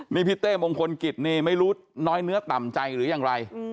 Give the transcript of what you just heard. นี่พี่เต้มงคลกิจนี่ไม่รู้น้อยเนื้อต่ำใจหรือยังไร